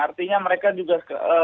artinya mereka juga